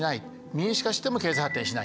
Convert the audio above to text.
民主化しても経済発展しない。